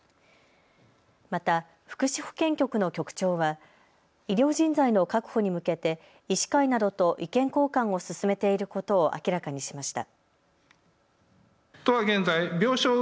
また、福祉保健局の局長は医療人材の確保に向けて医師会などと意見交換を進めていることを明らかにしました。